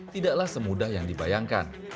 tidaklah semudah yang dibayangkan